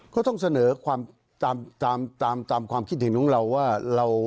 เขาต้องเสนอตามความคิดถึงของเราว่า